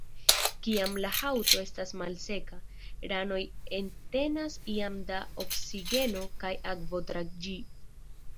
Kiam la haŭto estas malseka, ranoj entenas iom da oksigeno kaj akvo tra ĝi.